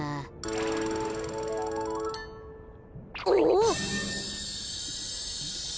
おっ！